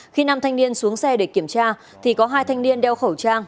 khi nam thanh niên xuống xe để kiểm tra thì có hai thanh niên đeo khẩu trang